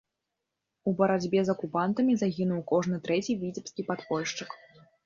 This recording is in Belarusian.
У барацьбе з акупантамі загінуў кожны трэці віцебскі падпольшчык.